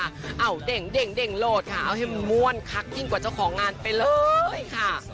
เอาเด่งโหลดค่ะเอาให้มันม่วนคักยิ่งกว่าเจ้าของงานไปเลยค่ะ